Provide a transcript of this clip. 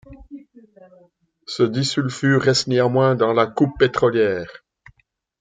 Ce disulfure reste néanmoins dans la coupe pétrolière.